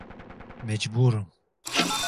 Mecburum.